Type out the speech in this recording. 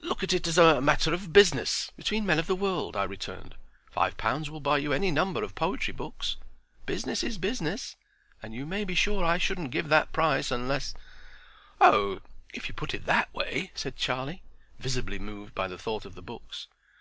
"Look at it as a matter of business—between men of the world," I returned. "Five pounds will buy you any number of poetry books. Business is business, and you may be sure I shouldn't give that price unless—" "Oh, if you put it that way," said Charlie, visibly moved by the thought of the books.